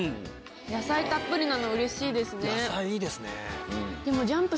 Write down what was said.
野菜たっぷりなのうれしいですね。